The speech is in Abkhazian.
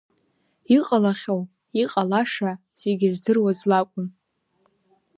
Иҟалахьоу иҟалаша зегьы здыруаз лакән.